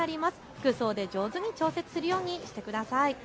服装で上手に調節するようにしてください。